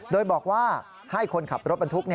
โดยบอกว่าให้คนขับรถบรรทุก